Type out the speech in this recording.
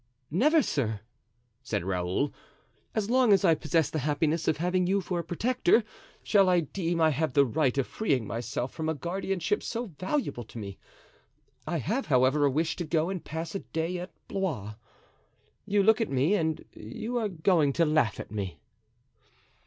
"Never, sir," said Raoul, "as long as I possess the happiness of having you for a protector, shall I deem I have the right of freeing myself from a guardianship so valuable to me. I have, however, a wish to go and pass a day at Blois. You look at me and you are going to laugh at me."